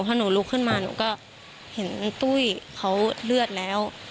พอหนูลุกขึ้นมาหนูก็เห็นตุ้ยเขาเลือดแล้ว